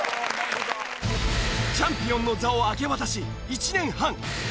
チャンピオンの座を明け渡し１年半。